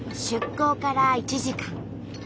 出港から１時間。